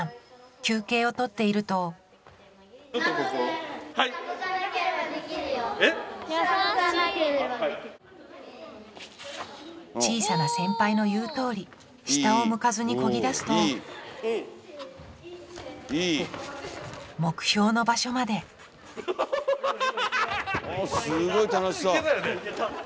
休憩をとっていると小さな先輩の言うとおり下を向かずにこぎだすと目標の場所までうおぉハハハハハ！